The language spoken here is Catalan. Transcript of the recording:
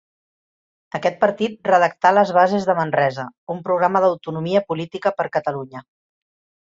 Aquest partit redactà les Bases de Manresa, un programa d'autonomia política per Catalunya.